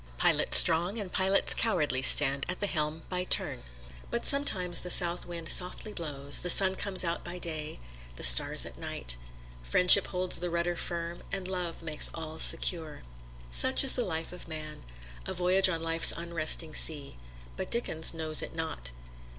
Pilots strong and pilots cowardly stand at the helm by turn. But sometimes the South Wind softly blows, the sun comes out by day, the stars at night: friendship holds the rudder firm, and love makes all secure. Such is the life of man a voyage on life's unresting sea; but Dickens knows it not.